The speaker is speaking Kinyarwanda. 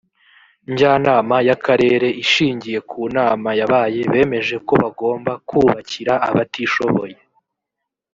njyanama y’akarere ishingiye ku nama yabaye bemeje ko bagomba kubakira abatishoboye